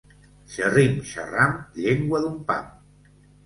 Xerrim, xerram, llengua d'un pam.